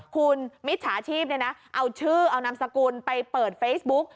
คุณมิจฉาชีพเอาชื่อเอานามสกุลไปเปิดเฟซบุ๊ก